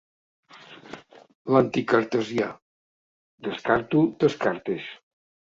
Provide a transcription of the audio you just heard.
L'anticartesià: —Descarto Descartes.